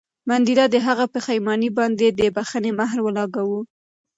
منډېلا د هغه په پښېمانۍ باندې د بښنې مهر ولګاوه.